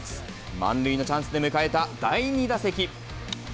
満塁のチャンスで迎えた第２打席。